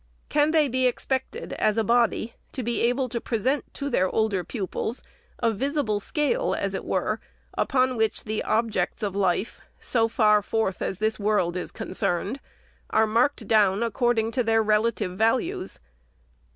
Can they be ex pected, as a body, to be able to present to their older pupils a visible scale, as it were, upon which the objects of life, so far forth as this world is concerned, are marked down, according to their relative values